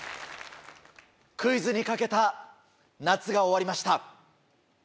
クイズにかけた夏が終わりました。